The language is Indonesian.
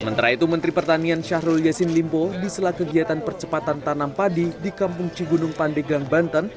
sementara itu menteri pertanian syahrul yassin limpo di sela kegiatan percepatan tanam padi di kampung cigunung pandegang banten